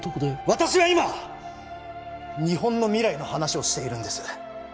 私は今日本の未来の話をしているんです